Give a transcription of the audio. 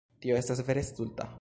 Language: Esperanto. Tio estas vere stulta.